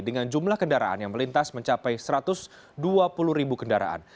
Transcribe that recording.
dengan jumlah kendaraan yang melintas mencapai satu ratus dua puluh ribu kendaraan